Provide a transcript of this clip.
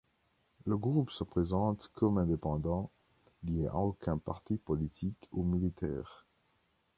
Le groupe se présente comme indépendant, lié à aucun parti politique ou militaire.